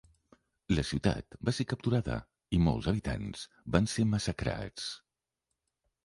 La ciutat va ser capturada i molts habitants van ser massacrats.